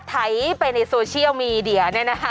ไถไปในโซเชียลมีเดีย